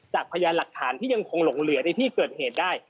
พยานหลักฐานที่ยังคงหลงเหลือในที่เกิดเหตุได้